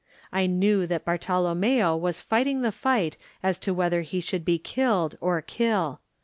I knew that Bartolommeo was fight ing the fight as to whether he should be killed or kill.